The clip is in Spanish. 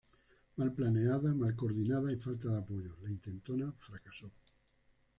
Mal planeada, mal coordinada y falta de apoyos, la intentona fracasó.